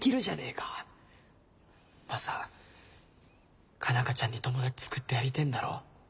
マサ佳奈花ちゃんに友達作ってやりてえんだろ？